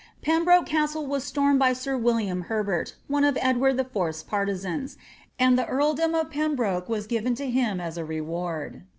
Pembroke Castle was stormed by sir William Herbert, one of Edward IV.'s partisans, and the earldom of Pembroke was given to him as a reward.